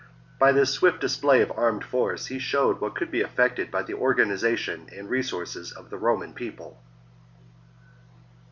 By this swift display of armed force he showed what could be effected by the organization and resources of the Roman People.